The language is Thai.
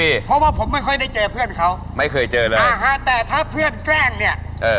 เออระดับหล่อขนาดนี้